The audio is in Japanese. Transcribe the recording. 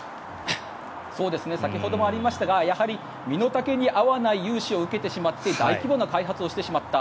先ほどもありましたが身の丈に合わない融資を受けてしまって大規模な開発をしてしまった。